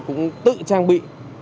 cũng tự trang bị